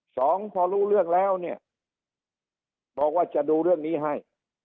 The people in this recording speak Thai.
สองพอรู้เรื่องแล้วเนี่ยบอกว่าจะดูเรื่องนี้ให้